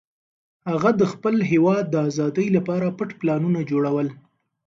هغه د خپل هېواد د ازادۍ لپاره پټ پلانونه جوړول.